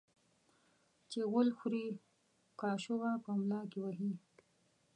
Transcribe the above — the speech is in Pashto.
چي غول خوري ، کاچوغه په ملا کې وهي.